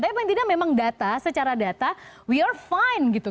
tapi yang pentingnya memang data secara data we are fine gitu